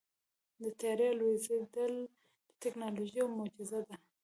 د طیارې الوزېدل د تیکنالوژۍ یوه معجزه ده.